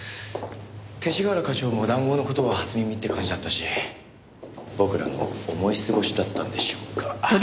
勅使河原課長も談合の事は初耳って感じだったし僕らの思い過ごしだったんでしょうか？